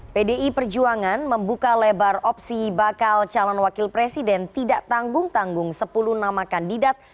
pdi perjuangan membuka lebar opsi bakal calon wakil presiden tidak tanggung tanggung sepuluh nama kandidat